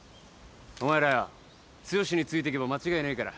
お前らよ剛についてけば間違いねえから。